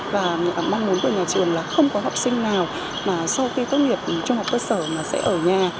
và mong muốn của nhà trường là không có học sinh nào mà sau khi tốt nghiệp trung học cơ sở mà sẽ ở nhà